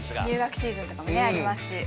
入学シーズンとかもねありますし。